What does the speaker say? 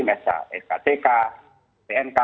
mesa sktk pnk